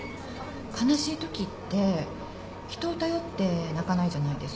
悲しいときって人を頼って泣かないじゃないですか。